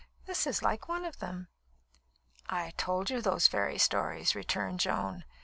"This is like one of them." "I told you those fairy stories," returned Joan.